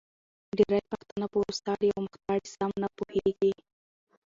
ډېری پښتانه په وروستاړې او مختاړې سم نه پوهېږې